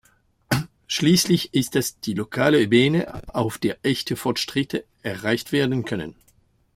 Schließlich ist es die lokale Ebene, auf der echte Fortschritte erreicht werden können.